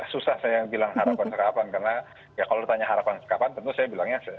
susah saya bilang harapan harapan karena ya kalau ditanya harapan kapan tentu saya bilangnya